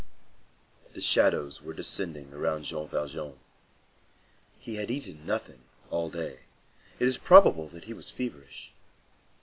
The shadows were descending around Jean Valjean. He had eaten nothing all day; it is probable that he was feverish.